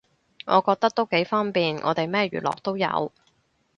我覺得都幾方便，我哋咩娛樂都有